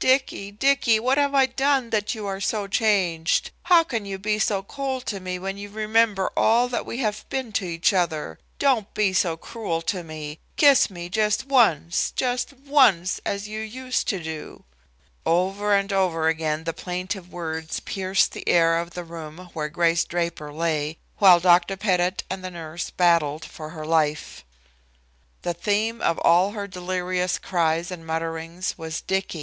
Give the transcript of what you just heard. "Dicky! Dicky! what have I done that you are so changed? How can you be so cold to me when you remember all that we have been to each other? Don't be so cruel to me. Kiss me just once, just once, as you used to do." Over and over again the plaintive words pierced the air of the room where Grace Draper lay, while Dr. Pettit and the nurse battled for her life. The theme of all her delirious cries and mutterings was Dicky.